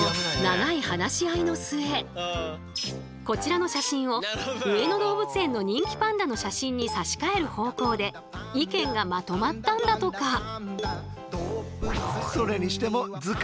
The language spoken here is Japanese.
こちらの写真を上野動物園の人気パンダの写真に差し替える方向で意見がまとまったんだとか。